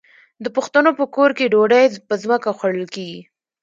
د پښتنو په کور کې ډوډۍ په ځمکه خوړل کیږي.